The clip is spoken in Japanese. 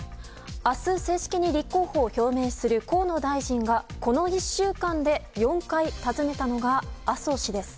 明日、正式に立候補を表明する河野大臣がこの１週間で４回訪ねたのが麻生氏です。